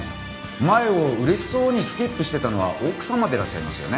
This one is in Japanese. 前を嬉しそうにスキップしてたのは奥様でいらっしゃいますよね？